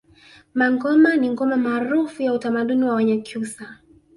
Mangoma ni ngoma maarufu ya utamaduni wa Wanyakyusa